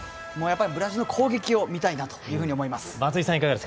ブラジルの攻撃を見たいなというふうに思います。